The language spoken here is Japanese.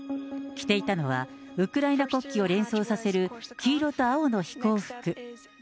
着ていたのは、ウクライナ国旗を連想させる黄色と青の飛行服。